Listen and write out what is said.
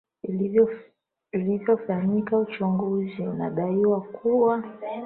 ilivyofanyika uchaguzi unaodaiwa kuwa